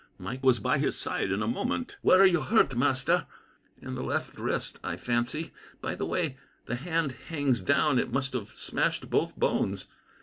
Mike was by his side in a moment. "Where are you hurt, master?" "In the left wrist, I fancy. By the way the hand hangs down, it must have smashed both bones.